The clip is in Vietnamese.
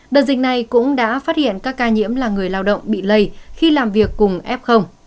đợt dịch này cũng đã phát hiện các ca nhiễm là người lao động bị lây khi làm việc cùng f